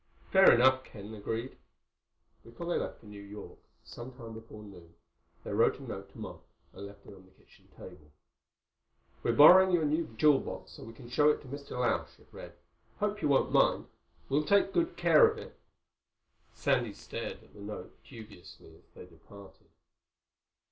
"Fair enough," Ken agreed. Before they left for New York, some time before noon, they wrote a note to Mom and left it on the kitchen table. "We're borrowing your new jewel box so we can show it to Mr. Lausch," it read. "Hope you won't mind. We'll take good care of it." Sandy stared at the note dubiously as they departed.